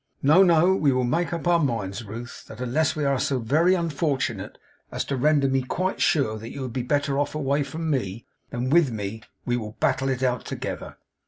No, no; we will make up our minds Ruth, that unless we are so very unfortunate as to render me quite sure that you would be better off away from me than with me, we will battle it out together.